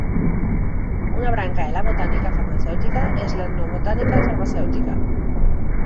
Una branca de la botànica farmacèutica és l'etnobotànica farmacèutica.